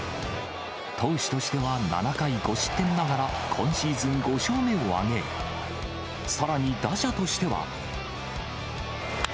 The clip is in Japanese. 投手としては７回５失点ながら、今シーズン５勝目を挙げ、さらに打者としては。